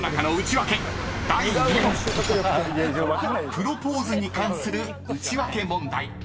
［プロポーズに関するウチワケ問題］